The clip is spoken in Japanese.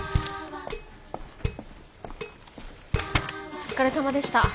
お疲れさまでした。